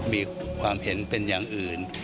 มีความเห็นเป็นอย่างอื่น